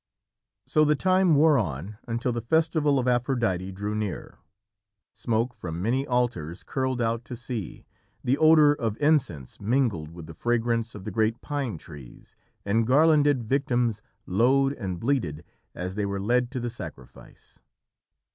So the time wore on until the festival of Aphrodite drew near. Smoke from many altars curled out to sea, the odour of incense mingled with the fragrance of the great pine trees, and garlanded victims lowed and bleated as they were led to the sacrifice.